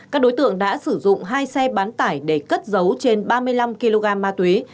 các đối tượng đã sử dụng hai xe bán tải để cất dấu trên ba mươi năm kg ma túy